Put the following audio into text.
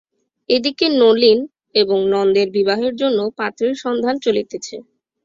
এ দিকে নলিন এবং নন্দের বিবাহের জন্য পাত্রীর সন্ধান চলিতেছে।